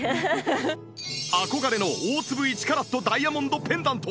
憧れの大粒１カラットダイヤモンドペンダント